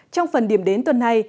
trong phần điểm đến tuần này